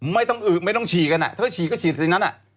ไม่ต้องอึไม่ต้องฉี่กันอ่ะถ้าฉี่ก็ฉี่ตรงนั้นอ่ะ